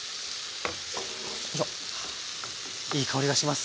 いい香りがします。